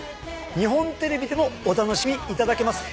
日本テレビでもお楽しみいただけます！